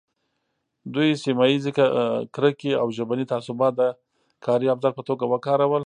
دوی سیمه ییزې کرکې او ژبني تعصبات د کاري ابزار په توګه وکارول.